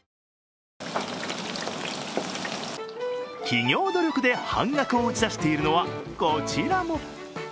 企業努力で半額を打ち出しているのはこちらも。